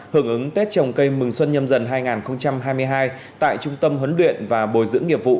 hưởng ứng tết trồng cây mừng xuân nhâm dần hai nghìn hai mươi hai tại trung tâm huấn luyện và bồi dưỡng nghiệp vụ